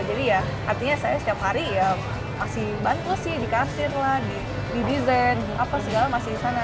jadi ya artinya saya setiap hari ya masih bantu sih di cashier lah di design segala masih di sana